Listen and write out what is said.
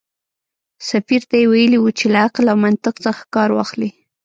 سفیر ته یې ویلي و چې له عقل او منطق څخه کار واخلي.